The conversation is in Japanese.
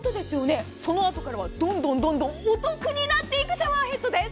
そのあとからは、どんどんどんどんお得になっていくシャワーヘッドです。